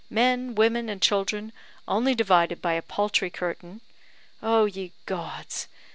men, women, and children, only divided by a paltry curtain. Oh, ye gods!